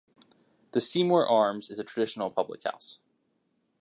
The "Seymour Arms" is a traditional public house.